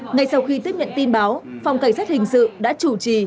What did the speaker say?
ngay sau khi tiếp nhận tin báo phòng cảnh sát hình sự đã chủ trì